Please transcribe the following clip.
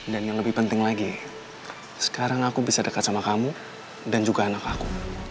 dan yang lebih penting lagi sekarang aku bisa dekat sama kamu dan juga anak aku